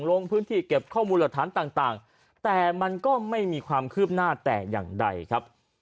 ลงพื้นที่เก็บข้อมูลหลักฐานต่างแต่มันก็ไม่มีความคืบหน้าแต่อย่างใดครับ